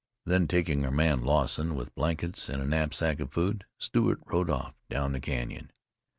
Then taking our man Lawson, with blankets and a knapsack of food, Stewart rode off down the canyon.